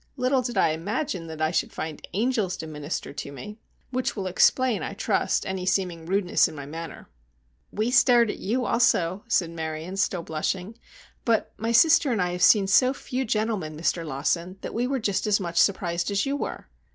Little did I imagine that I should find angels to minister to me! Which will explain, I trust, any seeming rudeness in my manner." "We stared at you also," said Marion, still blushing, "but my sister and I have seen so few gentlemen, Mr. Lawson, that we were just as much surprised as you were."